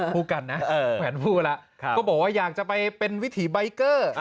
คู่กันนะแหวนผู้แล้วก็บอกว่าอยากจะไปเป็นวิถีใบเกอร์